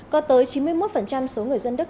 có tới chín mươi một số người dân đức